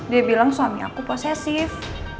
dia bilang suami aku posesif